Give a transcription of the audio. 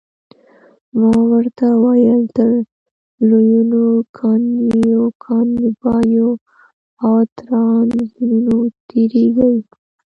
ما ورته وویل تر لویینو، کانیرو، کانوبایو او ترانزانو تیریږئ.